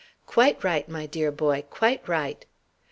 "Quite right, my dear boy, quite right."